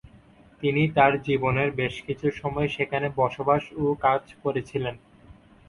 তিনি তাঁর জীবনের বেশ কিছু সময় সেখানে বসবাস ও কাজ করেছিলেন।